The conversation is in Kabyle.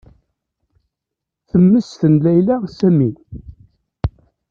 Temmesten Layla Sami.